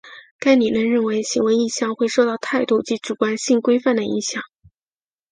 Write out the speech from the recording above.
该理论认为行为意向会受到态度及主观性规范的影响。